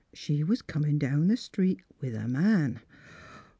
She was comin' down the street, with a man.